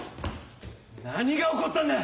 何が起こったんだ！